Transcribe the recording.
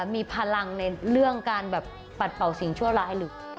มีพลังในเรื่องการแบบปัดเป่าสิ่งชั่วร้ายหรือ